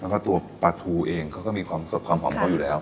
แล้วก็ตัวปลาทูเองเขาก็มีความสดความหอมเขาอยู่แล้ว